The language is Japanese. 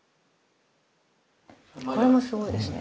これもすごいですね。